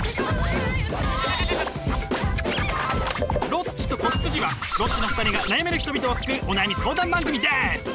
「ロッチと子羊」はロッチの２人が悩める人々を救うお悩み相談番組です！